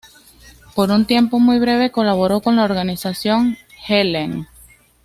Por un tiempo muy breve colaboró con la Organización Gehlen.